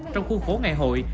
trong khuôn khố ngày hội